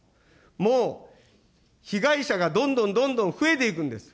もう、被害者がどんどんどんどん増えていくんです。